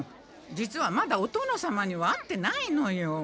実はまだお殿様には会ってないのよ。